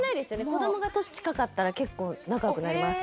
子供が年近かったら結構仲良くなります